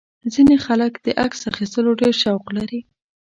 ځینې خلک د عکس اخیستلو ډېر شوق لري.